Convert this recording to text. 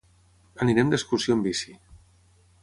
Anirem d'excursió amb bici.